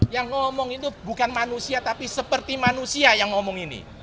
yang ngomong itu bukan manusia tapi seperti manusia yang ngomong ini